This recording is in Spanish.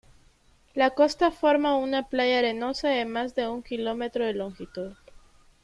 La costa forma una playa arenosa de más de un kilómetro de longitud.